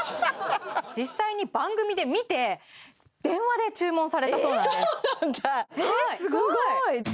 実際に番組で見て電話で注文されたそうなんですそうなんだ